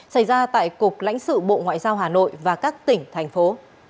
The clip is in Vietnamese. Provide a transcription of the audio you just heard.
xảy ra tại cục lãnh sự bộ ngoại giao hà nội và các tỉnh thành phố